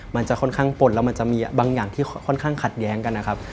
มันจะค่อนข้างป่นแล้วมันจะมีบางอย่างที่ค่อนข้างขัดแย้งกันนะครับ